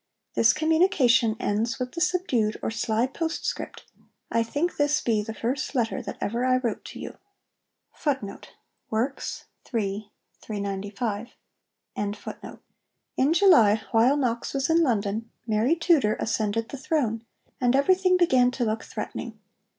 This communication ends with the subdued or sly postscript, 'I think this be the first letter that ever I wrote to you.' In July, while Knox was in London, Mary Tudor ascended the throne, and everything began to look threatening.